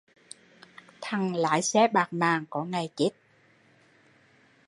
Thằng lái xe bạt mạng có ngày chết